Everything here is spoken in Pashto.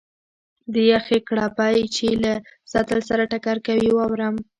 د یخې کړپی چې له سطل سره ټکر کوي، واورم.